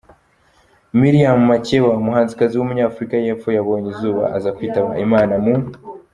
Miriam Makeba, umuhanzikazi w’umunyafurika y’epfo yabonye izuba aza kwitaba Imana mu .